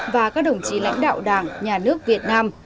và các đồng chí lãnh đạo đảng nhà nước việt nam